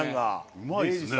うまいですよね